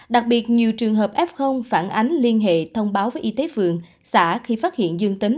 đặc biệt nhiều trường hợp f phản ánh liên hệ thông báo với y tế phường xã khi phát hiện dương tính